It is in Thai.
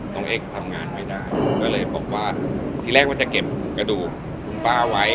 เอ็กซ์ทำงานไม่ได้ก็เลยบอกว่าทีแรกว่าจะเก็บกระดูกคุณป้าไว้